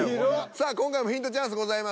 さあ今回もヒントチャンスございます。